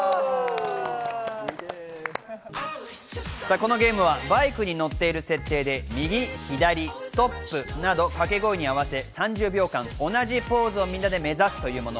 このゲームは、バイクに乗っている設定で右、左、ストップなど掛け声に合わせ３０秒間同じポーズをみんなで目指すというもの。